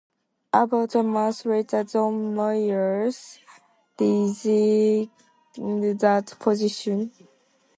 About a month later, John Moyers resigned that position.